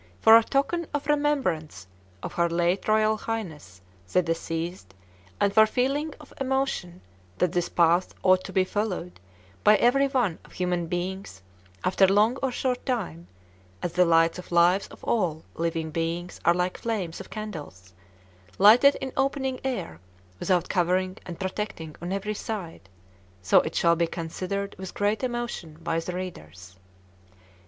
for a token of remembrance of Her late Royal Highness the deceased and for feeling of Emotion that this path ought to be followed by every one of human beings after long or short time, as the lights of lives of all living beings are like flames of candles lighted in opening air without covering and Protecting on every side, so it shall be considered with great emotion by the readers.